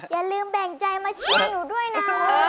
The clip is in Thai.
อย่าลืมแบ่งใจมาเชียร์หนูด้วยนะ